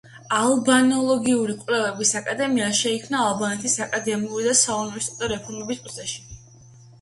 ალბანოლოგიური კვლევების აკადემია შეიქმნა ალბანეთის აკადემიური და საუნივერსიტეტო რეფორმის პროცესში.